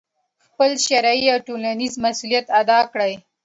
خپل شرعي او ټولنیز مسؤلیت ادا کړي،